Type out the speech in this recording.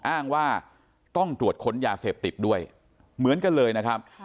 อ้างว่าต้องตรวจค้นยาเสพติดด้วยเหมือนกันเลยนะครับ